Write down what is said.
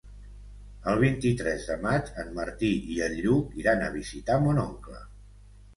El vint-i-tres de maig en Martí i en Lluc iran a visitar mon oncle.